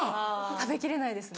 食べきれないですね。